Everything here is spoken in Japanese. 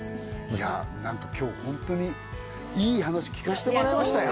いや何か今日ホントにいい話聞かしてもらいましたよ